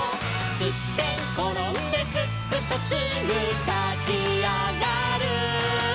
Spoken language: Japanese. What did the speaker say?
「すってんころんですっくとすぐたちあがる」